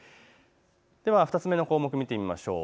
では２つ目の項目見てみましょう。